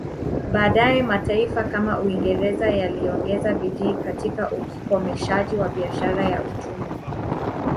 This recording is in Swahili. Baadaye mataifa kama Uingereza yaliongeza bidii katika ukomeshaji wa biashara ya utumwa